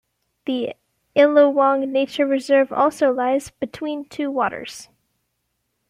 The Illawong Nature Reserve also lies "between two waters".